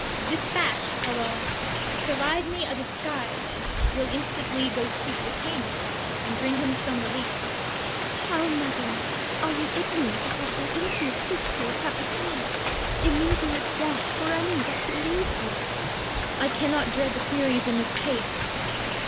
{Exit. Cord. Dispatch, Arante, Provide me a Disguise, we'll instantly Go seek the King, and bring him some Relief. Ar. How, Madam ! Are you Ignorant Of what your impious Sisters have decreed ? Immediate Death for any that relieve him. Cord. I cannot dread the Furies in this Case.